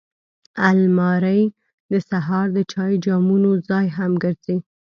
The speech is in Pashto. الماري د سهار د چای جامونو ځای هم ګرځي